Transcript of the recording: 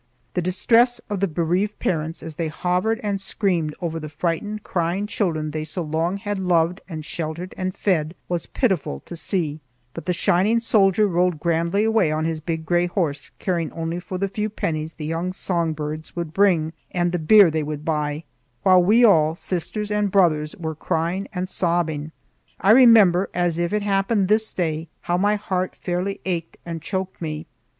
The distress of the bereaved parents, as they hovered and screamed over the frightened crying children they so long had loved and sheltered and fed, was pitiful to see; but the shining soldier rode grandly away on his big gray horse, caring only for the few pennies the young songbirds would bring and the beer they would buy, while we all, sisters and brothers, were crying and sobbing. I remember, as if it happened this day, how my heart fairly ached and choked me.